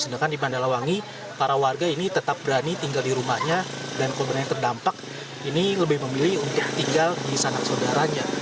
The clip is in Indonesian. sedangkan di mandalawangi para warga ini tetap berani tinggal di rumahnya dan korban yang terdampak ini lebih memilih untuk tinggal di sanak saudaranya